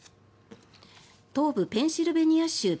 東部ペンシルベニア州